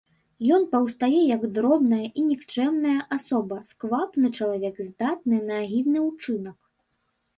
Ён паўстае як дробная і нікчэмная асоба, сквапны чалавек, здатны на агідны ўчынак.